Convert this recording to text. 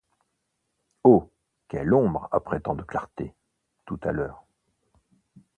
Oh ! quelle ombre après tant de clarté ! tout à l’heure